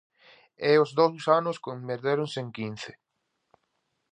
E os dous anos convertéronse en quince.